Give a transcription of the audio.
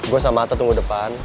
gue sama ata tunggu depan